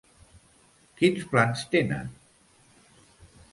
Quins plans tenen?